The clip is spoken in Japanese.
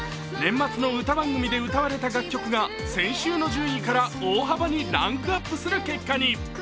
年末の歌番組で歌われた楽曲が先週の順位から大幅にランクアップする結果に。